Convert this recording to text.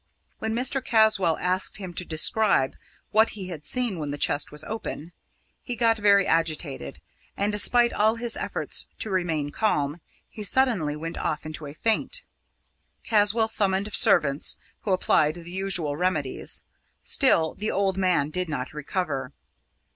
When Caswall asked him to describe what he had seen when the chest was open, he got very agitated, and, despite all his efforts to remain calm, he suddenly went off into a faint. Caswall summoned servants, who applied the usual remedies. Still the old man did not recover.